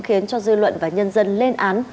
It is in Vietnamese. khiến cho dư luận và nhân dân lên án